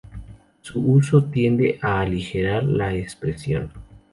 Su uso tiende a aligerar la expresión.